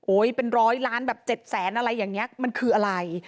เป็นร้อยล้านแบบ๗แสนอะไรอย่างนี้มันคืออะไร